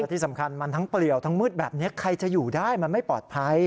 ที่สำคัญมันทั้งเปลี่ยวทั้งมืดแบบนี้ใครจะอยู่ได้มันไม่ปลอดภัย